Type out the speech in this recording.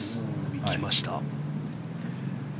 行きました。